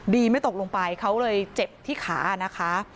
ดีไม่ตกลงไปเขาเลยเจ็บที่ขา